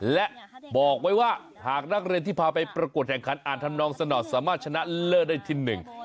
และบอกไว้ว่าหากนักเรียนที่พาไปประกวดแข่งขันอ่านทำนองสนอดสามารถชนะเลิศได้ที่หนึ่ง